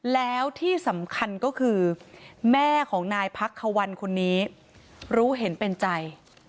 แล้วที่สำคัญก็คือแม่ของนายพักควันคนนี้รู้เห็นเป็นใจ